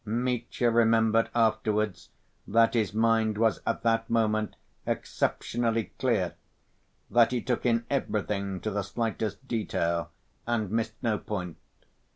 Mitya remembered afterwards that his mind was at that moment exceptionally clear, that he took in everything to the slightest detail, and missed no point.